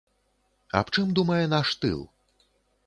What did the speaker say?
Аб чым думае наш тыл?